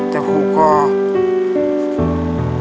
ที่คุกของพ่อ